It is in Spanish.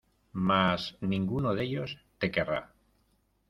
Mas ninguno de ellos te querrá